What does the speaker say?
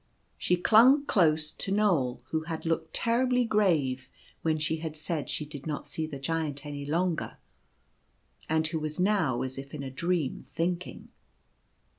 She clung close to Knoal, who had looked terribly grave when she had said she did not see the Giant any longer, and who was now as if in a dream, thinking.